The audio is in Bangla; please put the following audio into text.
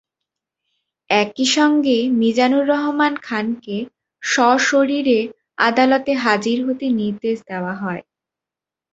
একই সঙ্গে মিজানুর রহমান খানকে সশরীরে আদালতে হাজির হতে নির্দেশ দেওয়া হয়।